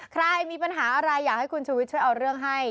ใครมีปัญหาอะไรอยากให้คุณชุวิตช่วยเอาเรื่องให้